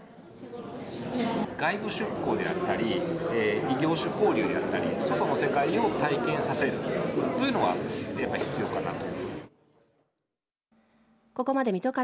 外部出向であったり異業種交流であったり外の世界を体験させるというのはやっぱり必要かなと。